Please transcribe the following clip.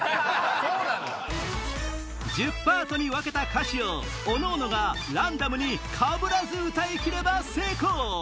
１０パートに分けた歌詞をおのおのがランダムにかぶらず歌い切れば成功